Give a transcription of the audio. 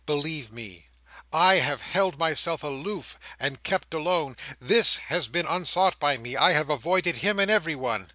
"Believe me, I have held myself aloof, and kept alone. This has been unsought by me. I have avoided him and everyone.